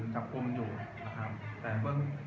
แต่ว่าเมืองนี้ก็ไม่เหมือนกับเมืองอื่น